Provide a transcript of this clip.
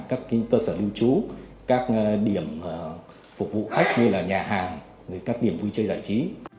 các cơ sở lưu trú các điểm phục vụ khách như là nhà hàng các điểm vui chơi giải trí